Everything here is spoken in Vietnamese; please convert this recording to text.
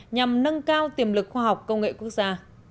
nhằm nâng cao tiềm lực khoa học công nghệ quốc gia